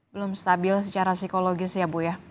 belum stabil secara psikologis ya bu ya